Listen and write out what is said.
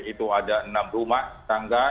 itu ada enam rumah tangga